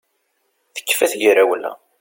Tekfa tegrawla